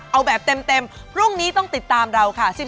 เอาแบบเต็มพรุ่งนี้ต้องติดตามเราค่ะ